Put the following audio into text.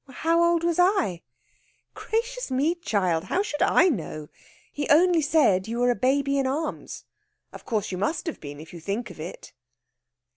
"How old was I?" "Gracious me, child! how should I know. He only said you were a baby in arms. Of course, you must have been, if you think of it."